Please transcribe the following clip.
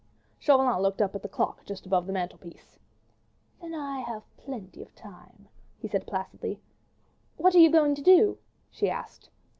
'" Chauvelin looked up at the clock just above the mantelpiece. "Then I have plenty of time," he said placidly. "What are you going to do?" she asked.